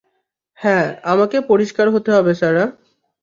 হ্যাঁ আমাকে পরিষ্কার হতে হবে সারা?